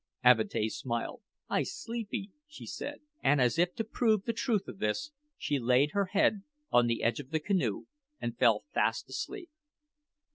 Avatea smiled. "I sleepy," she said; and as if to prove the truth of this, she laid her head on the edge of the canoe and fell fast asleep.